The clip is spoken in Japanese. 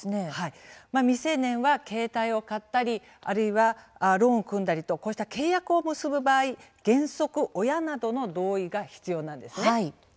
未成年は携帯を買ったりあるいはローンを組んだりとこうした契約を結ぶ場合原則、親などの同意が必要なんです。